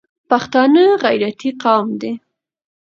پښتانه غیرتي قوم دي